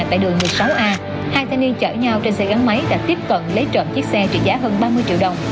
tại đường một mươi sáu a hai thanh niên chở nhau trên xe gắn máy đã tiếp cận lấy trộm chiếc xe trị giá hơn ba mươi triệu đồng